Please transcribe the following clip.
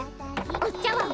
お茶わん